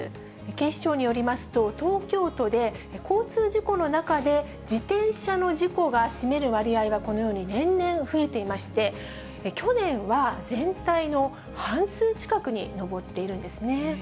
警視庁によりますと、東京都で交通事故の中で自転車の事故が占める割合がこのように年々増えていまして、去年は全体の半数近くに上っているんですね。